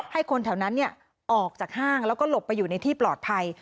ให้คนแถวนั้นออกจากห้างแล้วก็หลบไปอยู่ในที่ปลอดภัย